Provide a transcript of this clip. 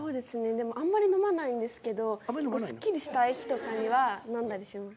でもあんまり飲まないんですけどすっきりしたい日とかには飲んだりします。